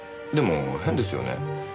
でも変ですよね。